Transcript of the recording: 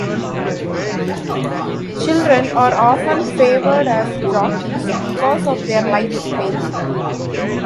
Children are often favored as jockeys because of their light weight.